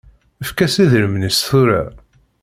Efk-as idrimen-is tura.